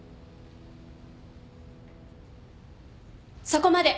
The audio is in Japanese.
そこまで。